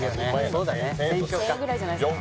そうだね１０００円ぐらいじゃないすか？